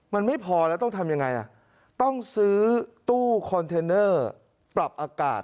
มันไม่พอแล้วต้องทำยังไงต้องซื้อตู้คอนเทนเนอร์ปรับอากาศ